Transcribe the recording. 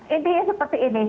intinya seperti ini